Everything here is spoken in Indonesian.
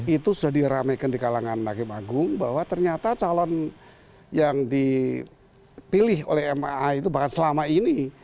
itu sudah diramaikan di kalangan hakim agung bahwa ternyata calon yang dipilih oleh maa itu bahkan selama ini